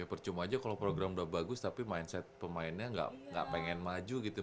ya percuma aja kalau program udah bagus tapi mindset pemainnya nggak pengen maju gitu